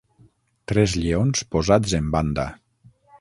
Tres lleons posats en banda.